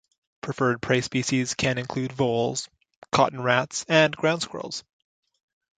Preferred prey species can include voles, cotton rats and ground squirrels.